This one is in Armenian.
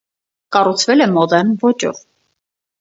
Կառուցվել է մոդեռն ոճով։